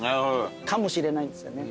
かもしれないですよね。